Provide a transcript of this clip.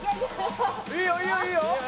いいよいいよいいよ！